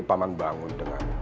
paman bangun dengan